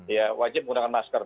ya wajib menggunakan masker